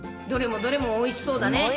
どれもどれもおいしそうだね。